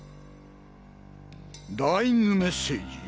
ダイイングメッセージ？